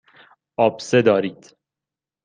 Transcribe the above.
آبسه دارید.